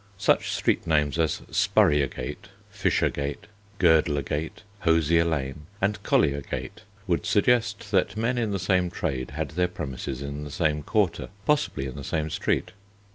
Such street names as Spurriergate, Fishergate, Girdlergate, Hosier Lane, and Colliergate would suggest that men in the same trade had their premises in the same quarter, possibly in the same street.